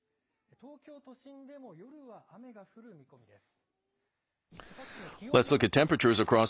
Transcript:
東京都心でも夜は雨が降る見込みです。